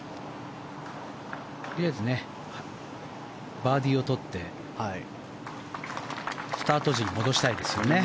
とりあえずバーディーを取ってスタート時に戻したいですね。